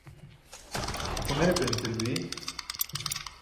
guse mene pinsil bi?